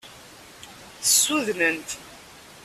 Ssudnent.